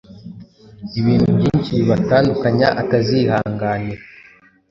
ibintu byinshi bibatandukanya atazihanganira.